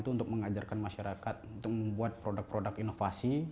untuk mengajarkan masyarakat untuk membuat produk produk inovasi